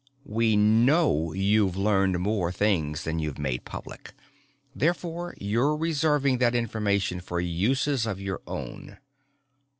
We know you've learned more things than you've made public. Therefore you're reserving that information for uses of your own."